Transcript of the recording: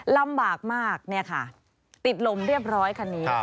ลำบากมากติดลมเรียบร้อยคันนี้